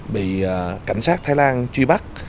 bị cảnh sát thái lan truy bắt